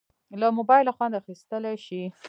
له موبایله خوند اخیستیلی شې.